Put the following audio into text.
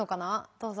どうぞ。